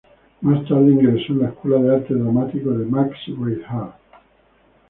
Más tarde ingresó en la escuela de arte dramático de Max Reinhardt.